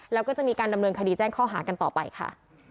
แล้วก็จะมีการดำเนินคดีแจ้งข้อหากันต่อไปค่ะ